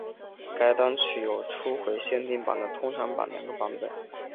该单曲有初回限定版和通常版两种版本。